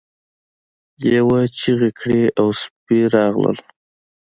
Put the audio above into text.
لیوه چیغې کړې او سپي راغلل.